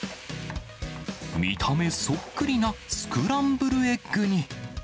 見た目そっくりなスクランブルエッグに。